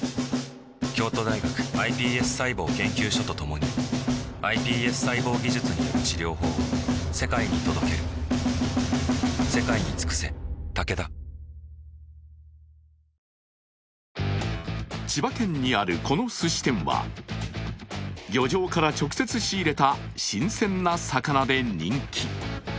京都大学ｉＰＳ細胞研究所と共にｉＰＳ細胞技術による治療法を世界に届ける千葉県にある、このすし店は、漁場から直接仕入れた新鮮な魚で人気。